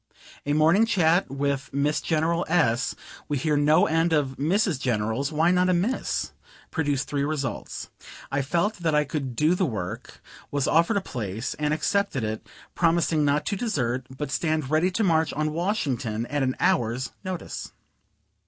A morning chat with Miss General S. we hear no end of Mrs. Generals, why not a Miss? produced three results: I felt that I could do the work, was offered a place, and accepted it, promising not to desert, but stand ready to march on Washington at an hour's notice.